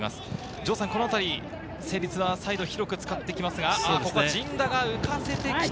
城さん、このあたり成立はサイド広く使ってきますが、ここは陣田が浮かせてきて。